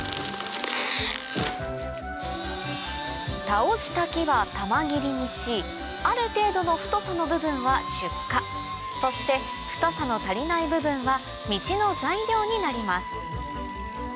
倒した木は玉切りにしある程度の太さの部分は出荷そして太さの足りない部分は道の材料になります